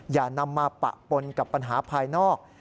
อย่านำมาปะปนกับปัญหาภายนอก